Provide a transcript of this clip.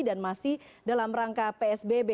dan masih dalam rangka psbb